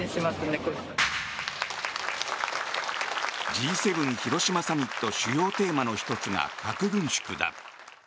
Ｇ７広島サミット主要テーマの１つが核軍縮だ。